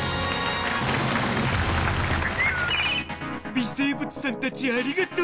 微生物さんたちありがとう！